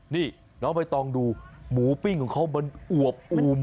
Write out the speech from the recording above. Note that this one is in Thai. นี่น้องใบตองดูหมูปิ้งของเขามันอวบอูม